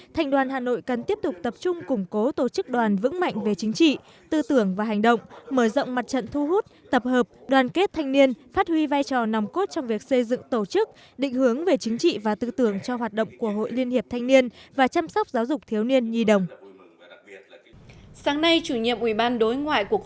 thành đoàn hà nội cần tiếp tục tập trung củng cố tổ chức đoàn vững mạnh về chính trị tư tưởng và hành động mở rộng mặt trận thu hút tập hợp đoàn kết thanh niên phát huy vai trò nòng cốt trong việc xây dựng tổ chức định hướng về chính trị tập hợp đoàn kết thanh niên phát huy vai trò nòng cốt trong việc xây dựng tổ chức